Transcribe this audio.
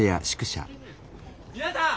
皆さん！